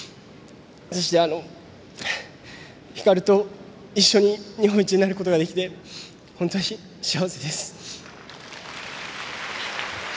そして、ひかると一緒に日本一になることができて本当に幸せです。